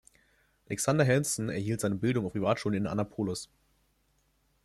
Alexander Hanson erhielt seine Bildung auf Privatschulen in Annapolis.